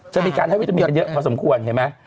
จะมีการให้วิตามินกันเยอะพอสมควรเห็นไหม